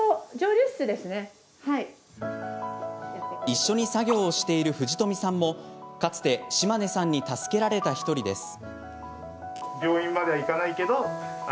一緒に作業をしている藤冨さんもかつて島根さんに助けられた１人です。